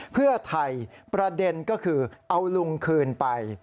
เพื่อไทยประเด็นก็คือเอาลุงคืนไป